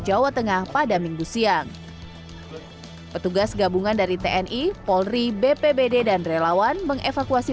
jawa tengah pada minggu siang petugas gabungan dari tni polri bpbd dan relawan mengevakuasi